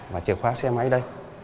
và chìa khóa xe máy đây